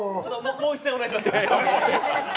もう一戦お願いします。